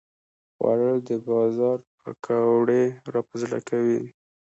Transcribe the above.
خوړل د بازار پکوړې راپه زړه کوي